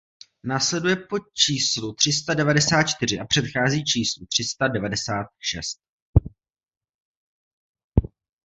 Následuje po číslu tři sta devadesát čtyři a předchází číslu tři sta devadesát šest.